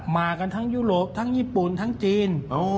มากันทั้งยุโรปทั้งญี่ปุ่นทั้งจีน